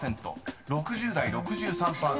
［６０代６３％］